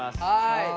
はい。